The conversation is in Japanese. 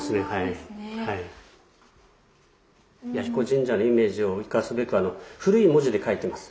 彌彦神社のイメージを生かすべく古い文字で書いてます。